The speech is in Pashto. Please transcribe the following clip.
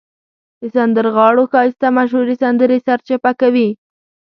د سندرغاړو ښایسته مشهورې سندرې سرچپه کوي.